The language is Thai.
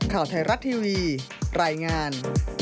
ข่าวไทยรัฐทีวีรายงาน